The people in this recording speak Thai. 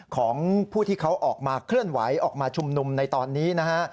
ของผู้ที่เขาออกมาเคลื่อนไหวออกมาชุมนุมในตอนนี้นะฮะ